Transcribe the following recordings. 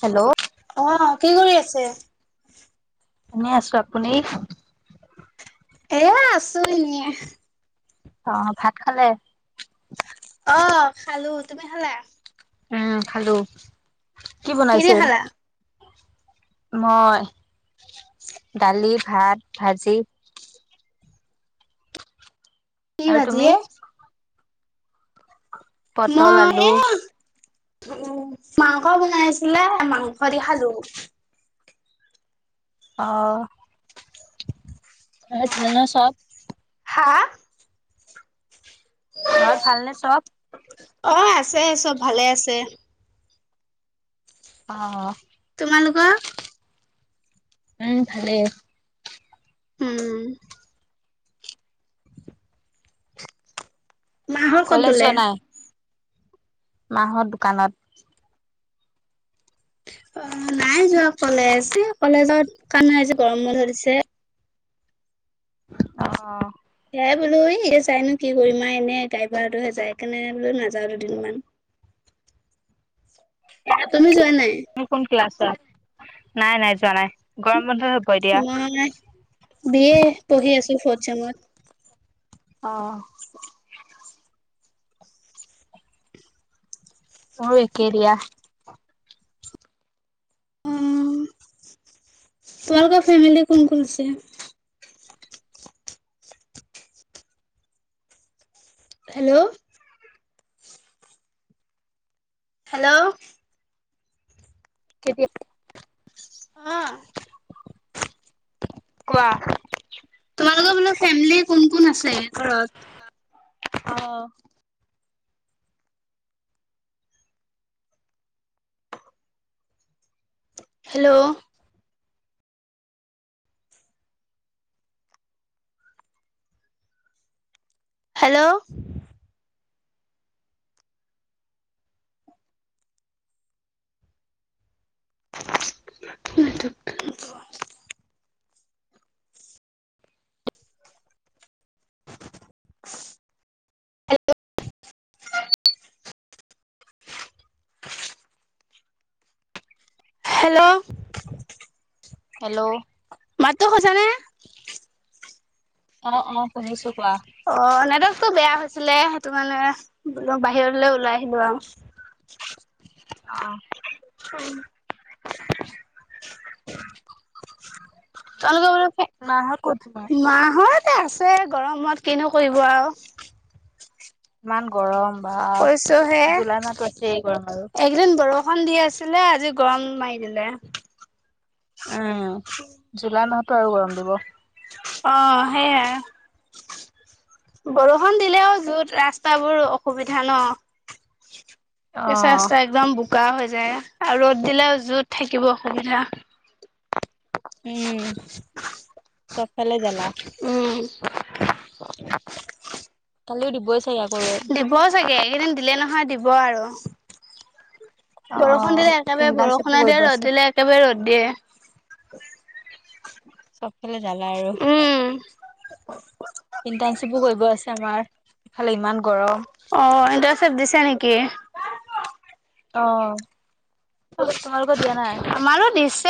Hello অ কি কৰি আছে এনে আছো আপুনি এয়া আছো এনে অ ভাত খালে অ খালো তুমি খালা উম খালো কি কিহেদি বনাইছিল খালা? মই দালি ভাত ভাজি কি আৰু তুমি ভাজিয়ে? পটল আলু উ মাংস বনাইছিলে মাংস দি খালো আহ। মা হত ভাল ন সব হা? ঘৰত ভালনে চব অ আছে চব ভালে আছে অ তোমালোক উম ভালেই আ উম মা হত কত গ'লে মা হত দোকানত অ নাই যোৱা কলেজ কলেজত কান আহ হৈছে গৰম মত ধৰিছে অ সেয়াই বোলো এই যাইনো কি কৰিম আও এনে গাই পাটোহে যায় সেইকাৰণে বোলো নাযাও দুদিনমান তুমি যোৱা নাই? তুমি কোন ক্লাছ নাই নাই যোৱা নাই গৰম বন্ধই হ'ব এতিয়া। মই বি এ পঢ়ি আছো ফৌথ চেমত অ মই ও একেই দিয়া তোমালোক ফেমিলি কোন কোন আছে হেল্ল' হেল্ল' কেতিয়া আহ কোৱা বা ফেমিলি কোন কোন আছে ঘৰত আহ হেল্ল' হেল্ল' [unintelligible] হেল্ল' হেল্ল' মাত সচানে [unintelligible] অ অ শুনিছো কোৱা। অ নেটৱৰ্ক তো বেয়া হৈছিলে সেইটো মানে বোল বাহিৰলৈ ওলাই আহিলো আৰু [unintelligible] অ হয় [unintelligible] তালোক মাহত ক'ত তোমাৰ? [unintelligible] মা হত আছে গৰমত কিনো কৰিব আৰু ইমান গৰম বা কৈছো হে জুলাই মাহটো আছে গৰম আৰু এইকেইদিন বৰষুণ দি আছিলে আজি গৰম মাৰি দিলে উম জুলাই মাহতো আৰু গৰম দিব অ সেইয়াই বৰষুণ দিলেও যত ৰাস্তাবোৰ অসুবিধা ন অ কেচা ৰাস্তা একদম বোকা হৈ যায় আৰু ৰ'দ দিলে যুত থাকিব অসুবিধা [unintelligible] উম চবফালে জালা উম কালিও দিবই চাগে আকৌ ৰ'দ দিব চাগে এইকেইদিন দিলে নহয় দিব আৰু অ বৰষুণ দিলে একেবাৰে ইণ্টাৰ্ণশ্বিপো বৰষুণে দিয়ে কৰিব আছে ৰ'দ দিলে একেবাৰে ৰ'দ দিয়ে চব ফালে জালে আৰু উম ইণ্টাৰ্শ্বিপো কৰিব আছে আমাৰ ফালে ইমান গৰম অ এটা চেত দিছে নেকি? অ তোমালোকৰ দিয়া নাই তোমাৰো দিছ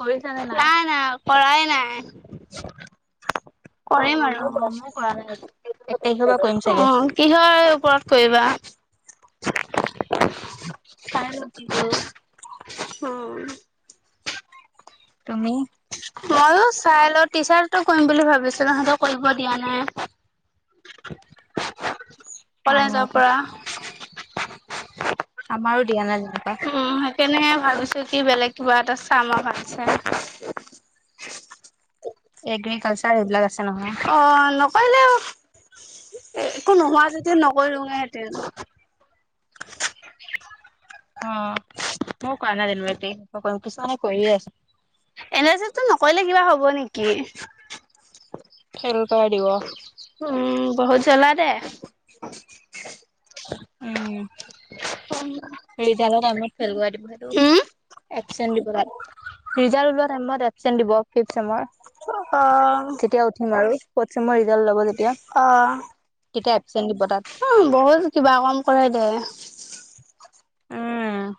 কৰিছানে নাই পৰাই নাই কৰিম আৰু অ মই কৰা নাই এক তাৰিখৰ পৰা কৰিম চাগে কিহৰ ওপৰত কৰিবা চাই ল কি কৰোঁ [unintelligible] অ তুমি ময়ো চাই লওঁ টিচাৰটো কৰিম বুলি ভাবিছিলো তহত কৰিব দিয়া নাই। [unintelligible] [inaudible] কলেজৰ পৰা আমাৰ দিয়া নাই যেনিবা উম সেইকাৰণেহে ভাবিছো কি বেলেগ কোৱাটা চাম আ ভালছে [unintelligible] চাৰবিলাক আছে নহয়। কাইলে এ একো নোহোৱা যেতি নকৰি হেঁতেন [unintelligible] [inaudible] উম মই পালো ইনভাইটিং এন [unintelligible] চেচটো নকৰিলে কিবা হ'ব নেকি? খেল গ দিব [unintelligible] চলাই দে উম ইণ্টাৰ ফেইল কৰাই দিব উম, [unintelligible] এচেণ্ট দিব তাত ৰিজাল্ট ওলোৱা টাইমত এবছেন্ত দিব [unintelligible] অ', তেতিয়া উঠিম আৰু ফৌৰ্থ চেম মই ৰিজাল্ট লব তেতিয়া। এবচেণ্ট দিব তাত অ বহুত কিবা কম কৰে দে উম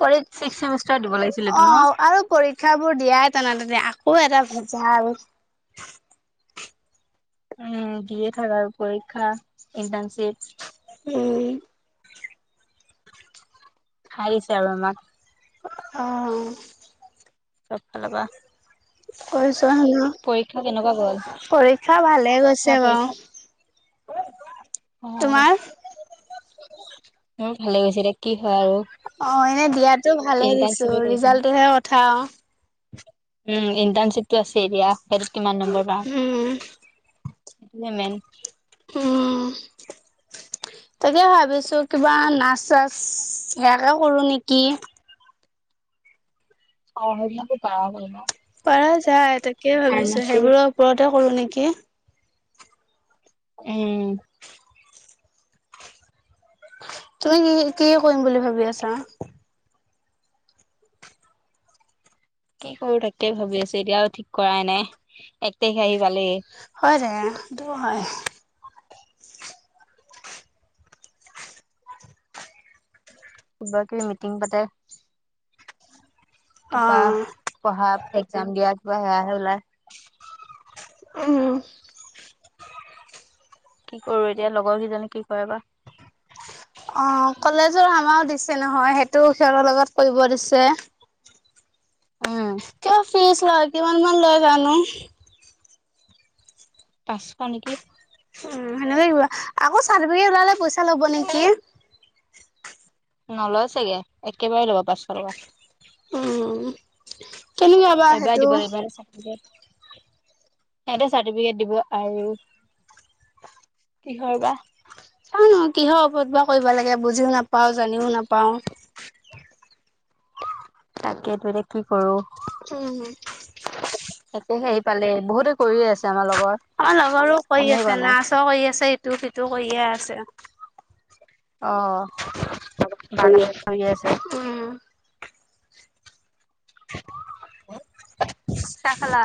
পৰে ছিক্স চেমিষ্টাৰ দিব লাগিছিল অ এইটো ন আৰু পৰীক্ষাবোৰ দিয়াত [unintelligible] আকৌ এটা ভেজাল আৰু। উম বি এ থাক আৰু পৰীক্ষা ইণ্টাৰ্নশিপ। উম। খাই দিছে আৰু [unintelligible] আহ। চব ফালৰ পৰা। হয়। পৰীক্ষা কেনেকুৱা গ'ল। পৰীক্ষা ভালে গৈছে তোমাৰ বাঅ। পৰীক্ষা অ তোমাৰ? মোৰ ভালে গৈছে এতিয়া কি হয় আৰু। অ, এনে দিয়াতো ভালে দিছো ইণ্টাৰ্ণশ্বিপে কৰিব ন ৰিজাল্টটোহে কথা অ। উম, ইণ্টাৰ্ণশ্বিপটো আছে এতিয়া কিমান নম্বৰ উম পাম। এনেই। উম। তাকে ভাবিছো কিবা নাচ চাচ সেয়াকে কৰো নেকি? অ, সেইবিলাকাকো ভাল হয়। যায় তাকেই ভাবিছো সেইবোৰৰ ওপৰতে কৰো নেকি? উম। তুমি কি কি কৰিম বুলি ভাবি আছা। কি কৰো তাকে ভাবি আছো, এতিয়াও ঠিক কৰাই নাই এক তাৰিখে আহি পালেই। হয় দো দু হয়। বৈ কি মিটিং পাতে [unintelligible] অ কিবা পঢ়া একজাম দিয়া কিবা হেয়া হে ওলাই। উম। কি কৰো এতিয়া লগৰ কেইজনী কি কৰে বা। অ, কলেজৰ আমাৰ দিছে নহয় সেইটোও সিহঁতৰ লগত কৰিব দিছে। উম। কিয় ফিছ লয়, কিমান মান লৈ জানো। পাঁচশ নেকি। উম সেনেকে কিবা, আকৌ চাৰ্টিফিকেট ওলালে পইচা ল'ব নেকি। নলয় চাগে একেবাৰে ল'ব পাঁচশ টকা। উম। কেনেকুৱা বা এবাই সেইটো দিব লাগিব। সিহতে চাৰ্টিফিকেট দিব আৰু। কিহৰ বা। কিহৰ ওপৰত বা কৰিব লাগে বুজিও নাপাও জানিও নাপাও। তাকেইতো এতিয়া কি কৰো। হম হম। এক তাৰিখে আহি পালে বহুতে কৰিয়ে আছে আমাৰ লগত। আমাৰ লগৰো কৰি আছে নাৰ্ছ ও কৰি [unintelligible] আছে, ইটো সিটো কৰিয়ে আছে। অ, বাগানত বহি আছে উম [unintelligible] চা খালা?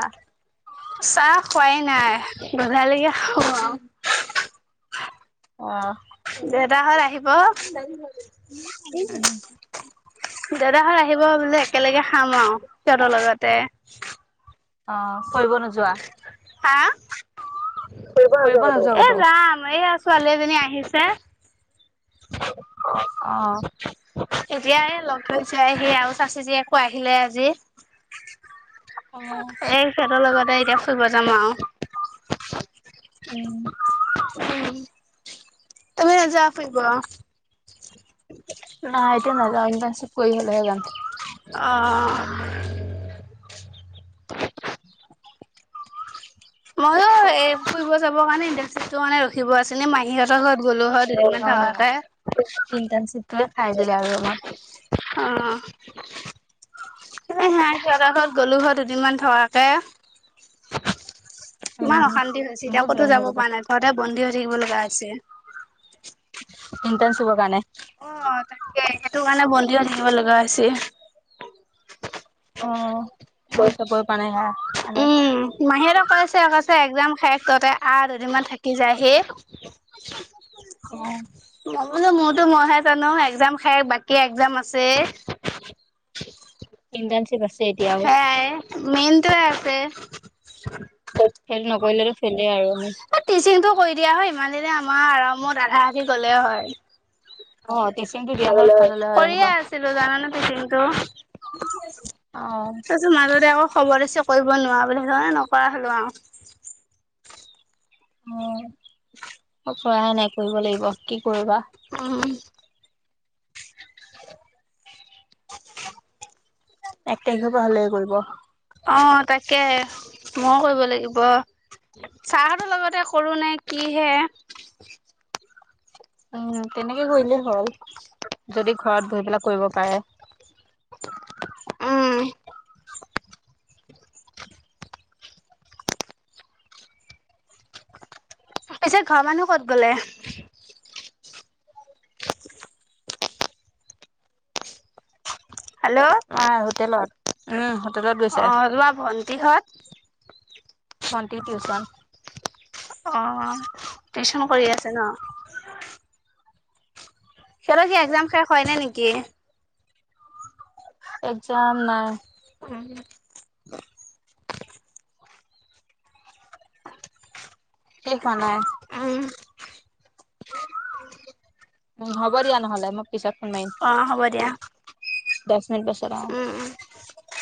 চাহ খোৱাই নাই, গধূলিকৈ খাম আৰু। অহ। দেতা হঁত আহিব। উম দাদা হঁত আহিব বোলে, একেলগে খাম আৰু সিহঁতৰ লগতে। অ কৰিব নোযোৱা। হা ফুৰিব নোযোৱা এ, ক'তো? যাম এইয়া ছোৱালী এজনী আহিছে। [unintelligible] অ' এতিয়া এ লগ ধৈছে সি আৰু চা চিজো আহিলে আজি এ অ সিহঁতৰ লগতে এতিয়া ফুৰিব যাম আৰু। উম আৰু তুমি নোযোৱা ফুৰিব? নাই এতিয়া নাযাওঁ ইনফ চপ কৰি হ'লেহে যাম। মইয়ো এ ফুৰিব যাবৰ কাৰণে ইটো মানে ৰখিব আছিলে। মাহীহঁতৰ ঘৰত গ'লোহঁত ইণ্টাৰ্ণশ্বিপটোৱে খাই দিলে আৰু আমাক। অঁ [inaudible] [unintelligible] এ সা ঘৰত গলো ঘৰত দুদিনমান থকাকে ইমান উম। অশান্তি হৈছে। এতিয়া ক'তো যাব পৰা নাই ঘৰতে বন্দী হৈ থাকিব লগা আছে। ইটনছ হ কাৰানে অ' তাকে সেইটো কাৰণে বন্দীও থাকিব লগা হৈ হৈছে। অ' মজছপ পান আ মাহীহঁতে কৈ আছে কৈছে একজাম শেষ তহঁতে আ দুদিনমান থাকি যায় সি। অ' বলো মোৰতো মইহে জানো একজাম হে বাকী এক্জাম আছে। ঠিক আছে এতিয়া আৰু মেইন তোয়ে আছে খেলে আৰু আমি। টিচিংটো কৰি দিয়া হয় ইমান দিনে আমাৰ আৰামত আধা আধি গ'লে হয়। অ টিচিংটো দিয়া হয় ভাল হ'লে হয় কৰিয়ে যেনিবা। আছিলো জানানতে কিন্তু। অ। তাৰপিছত মাজতে আকৌ খবৰ দিছি কৰিব নোৱাৰা বুলি মানে নকৰা হ'লো আও। অ'। [unintelligible] সহায়ে নাই কৰিব লাগিব কি কৰিবা। উম। এক তাৰিখে পৰা হ'লে কৰিব। অ' তাকে ময় কৰিব লাগিব। চাহতৰ লগতে কৰো নে কিহে। উম তেনেকে কৰিলেই হ'ল যদি ঘৰত বহি পেলাই কৰিব পাৰে। উম। পিছত ঘৰৰ মানুহ ক'ত গ'লে। [unintelligible] হেল্ল' অ' সোতেলত উম। হোটেলত গৈছে অ' লোৱা ভণ্টিহঁত। ভণ্টি টিউচন। অ' টিউচন কৰি আছে ন। সিহঁতৰ যে এক্জাম শেষ হয় ন নেকি। একজাম নাই। উম। কি খোৱা নাই। উম। উম হ'ব দিয়া নহ'লে মই। পিছত ফন মাৰি অ হ'ব দিয়া দহ মিনিট পিছত উম উম। অ'।